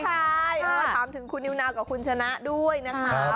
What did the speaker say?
ใช่ก็ถามถึงคุณนิวนาวกับคุณชนะด้วยนะคะ